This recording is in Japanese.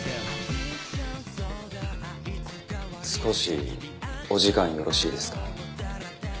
少しお時間よろしいですか？